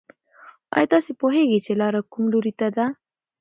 ایا تاسې پوهېږئ چې لاره کوم لوري ته ده؟